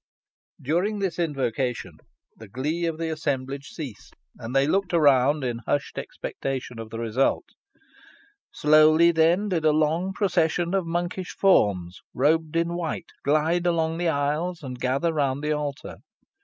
During this invocation, the glee of the assemblage ceased, and they looked around in hushed expectation of the result. Slowly then did a long procession of monkish forms, robed in white, glide along the aisles, and gather round the altar.